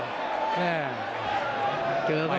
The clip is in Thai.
เจอเข้าไป